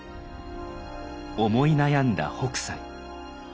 思い悩んだ北斎。